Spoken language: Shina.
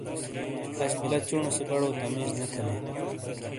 اش بِیلہ چُونے سے بڑو تمیز نے تھے نا ۔